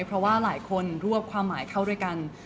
เพราะว่าหลายคนรวบความหมายเข้าด้วยกัน